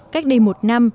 cách đây một năm